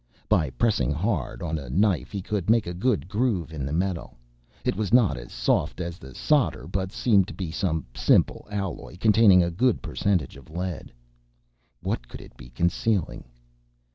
By pressing hard on a knife he could make a good groove in the metal. It was not as soft as the solder, but seemed to be some simple alloy containing a good percentage of lead. What could it be concealing?